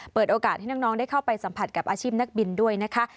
เปิดโอกาสให้น้องได้เข้าไปสัมผัสกับอาชีพนักบินด้วยนะคะ